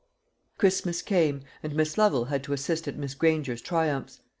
Christmas came, and Miss Lovel had to assist at Miss Granger's triumphs.